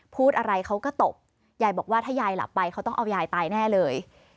พูดอะไรเขาก็ตบยายบอกว่าถ้ายายหลับไปเขาต้องเอายายตายแน่เลย